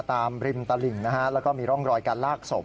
ริมตลิ่งนะฮะแล้วก็มีร่องรอยการลากศพ